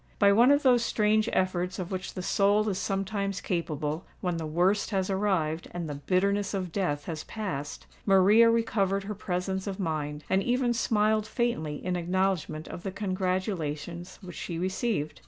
By one of those strange efforts of which the soul is sometimes capable, when "the worst" has arrived and "the bitterness of death" has passed, Maria recovered her presence of mind, and even smiled faintly in acknowledgment of the congratulations which she received.